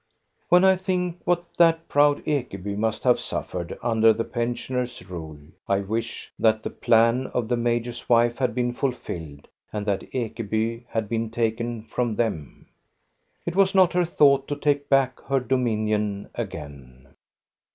When I think what that proud Ekeby must have suffered under the pensioners' rule, I wish that the plan of the major's wife had been fulfilled, and that Ekeby had been taken from them. It was not her thought to take back her dominion again.